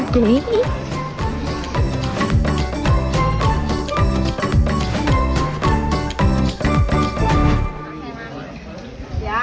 ขอบคุณครับ